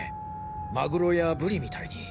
マグロやブリみたいに。